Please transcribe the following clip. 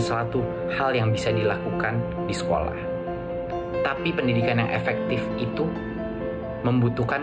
suatu hal yang bisa dilakukan di sekolah tapi pendidikan yang efektif itu membutuhkan